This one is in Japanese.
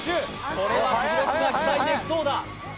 これは記録が期待できそうだはやい